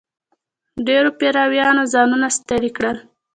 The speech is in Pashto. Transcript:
ډېرو پیرانو ځانونه ستړي کړل.